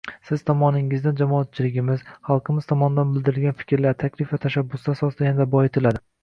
Siz tomoningizdan, jamoatchiligimiz, xalqimiz tomonidan bildiriladigan fikrlar, taklif va tashabbuslar asosida yanada boyitiladi.